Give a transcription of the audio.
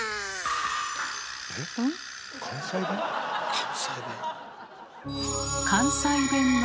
関西弁。